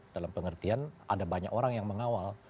dalam pengertian ada banyak orang yang mengawal